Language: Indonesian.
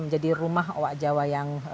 menjadi rumah owak jawa yang